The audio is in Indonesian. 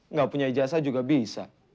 nggak punya ijasa juga bisa